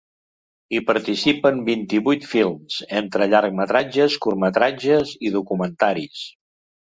Hi participen vint-i-vuit films, entre llargmetratges, curtmetratges i documentaris.